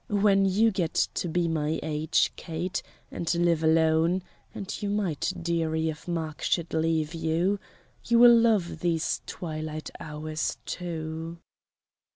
When you get to be my age, Kate, and live alone and you might, dearie, if Mark should leave you you will love these twilight hours, too."